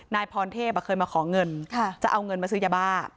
นายพรเทพเคยมาขอเงินจะเอาเงินมาซื้อยาบ้า